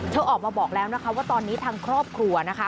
ออกมาบอกแล้วนะคะว่าตอนนี้ทางครอบครัวนะคะ